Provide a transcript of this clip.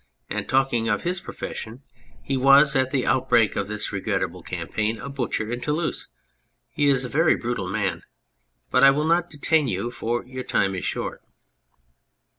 And talking of his 226 The Fog profession, he was, at the outbreak of this regrettable campaign, a butcher in Toulouse. He is a very brutal man, but I will not detain you, for your time is short.